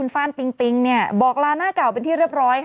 ฟ่านปิงปิงบอกลาหน้าเก่าเป็นที่เรียบร้อยค่ะ